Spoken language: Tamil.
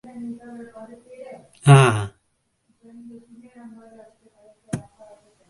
மற்றொன்று காரில் முன் சீட்டில் உட்கார்ந்திருப்பவர் விமானத்தில் செல்வது போல் இடுப்பைச் சுற்றி பில்டுகள் கட்டிக்கொள்ள வேண்டும்.